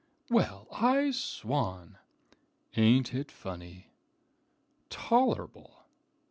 "Well, I swan!" "Ain't it funny?" "Tolerable."